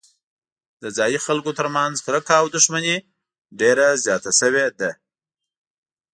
د ځايي خلکو ترمنځ کرکه او دښمني ډېره زیاته شوې ده.